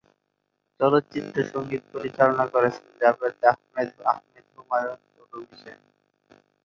চলচ্চিত্রের সঙ্গীত পরিচালনা করেছেন জাভেদ আহমেদ, আহমেদ হুমায়ুন ও রুমি সেন।